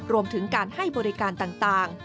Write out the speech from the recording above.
รวมถึงการให้บริการต่าง